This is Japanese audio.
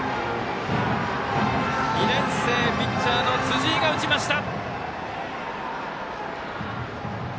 ２年生ピッチャーの辻井が打ちました！